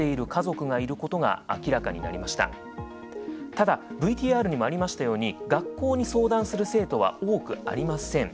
ただＶＴＲにもありましたように学校に相談する生徒は多くありません。